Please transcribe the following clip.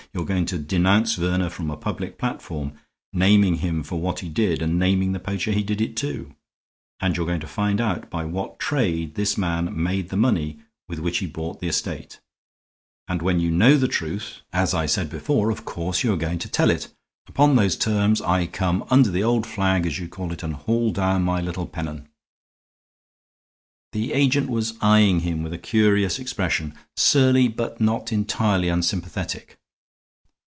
You are going to denounce Verner from a public platform, naming him for what he did and naming the poacher he did it to. And you're going to find out by what trade this man made the money with which he bought the estate; and when you know the truth, as I said before, of course you are going to tell it. Upon those terms I come under the old flag, as you call it, and haul down my little pennon." The agent was eying him with a curious expression, surly but not entirely unsympathetic.